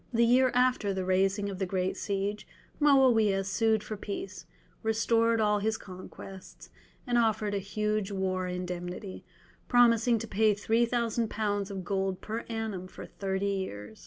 The year after the raising of the great siege, Moawiah sued for peace, restored all his conquests, and offered a huge war indemnity, promising to pay 3000 lbs. of gold per annum for thirty years.